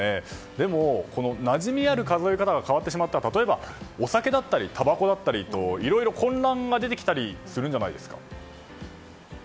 でも、なじみある数え方が変わってしまったら例えばお酒だったり、たばこだったりといろいろ混乱が出てきたりするんじゃないですか？